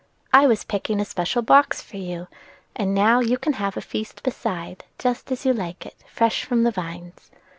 "I was picking a special box for you, and now you can have a feast beside, just as you like it, fresh from the vines.